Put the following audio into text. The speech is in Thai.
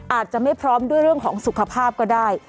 อาจจะไม่พร้อมด้วยเรื่องของสุขภาพก็ได้